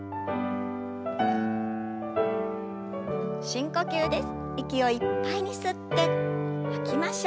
深呼吸です。